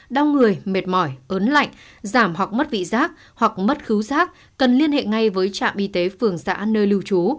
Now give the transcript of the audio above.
đau người mệt mỏi ớn lạnh giảm hoặc mất vị giác hoặc mất cứu giác cần liên hệ ngay với trạm y tế phường xã nơi lưu trú